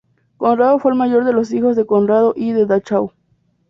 Conrado fue el mayor de los dos hijos de Conrado I de Dachau.